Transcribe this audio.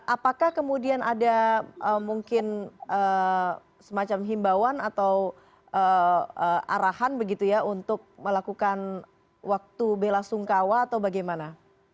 apakah kemudian ada mungkin semacam himbauan atau arahan begitu ya untuk melakukan waktu bela sungkawa atau bagaimana